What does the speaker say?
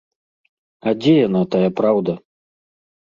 А дзе яна, тая праўда?